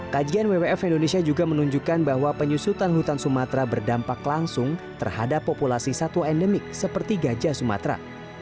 kajian wwf indonesia juga menunjukkan bahwa penyusutan hutan sumatera berdampak langsung terhadap populasi satwa endemik seperti gajah sumatera